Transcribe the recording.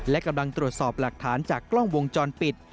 และกำลังตรวจสอบหลักฐานจากกล้องวงจรปิด